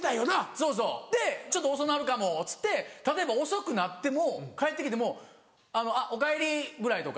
そうそうで「ちょっと遅なるかも」っつって例えば遅くなっても帰って来ても「あっおかえり」ぐらいとか。